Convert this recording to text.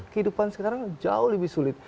kehidupan sekarang jauh lebih sulit